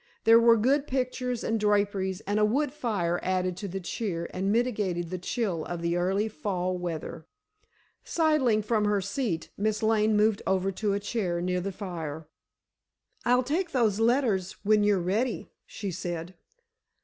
There were good pictures and draperies, and a wood fire added to the cheer and mitigated the chill of the early fall weather. Sidling from her seat, Miss Lane moved over to a chair near the fire. "I'll take those letters when you're ready," she said.